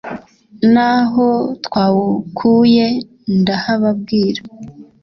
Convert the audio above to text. naho twawukuye ndahababwira